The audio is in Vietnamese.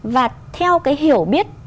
và theo cái hiểu biết